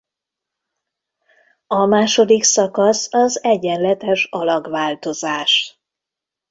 A második szakasz az egyenletes alakváltozás.